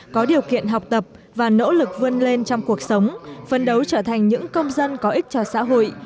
có điều kiện học tập và nỗ lực vươn lên trong cuộc sống phân đấu trở thành những công dân có ích cho xã hội